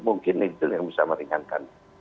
mungkin itu yang bisa meringankan